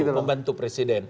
itu kan pembantu presiden